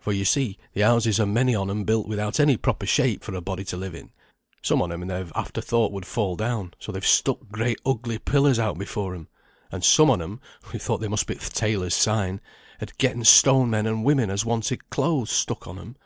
For yo see the houses are many on 'em built without any proper shape for a body to live in; some on 'em they've after thought would fall down, so they've stuck great ugly pillars out before 'em. And some on 'em (we thought they must be th' tailor's sign) had getten stone men and women as wanted clothes stuck on 'em.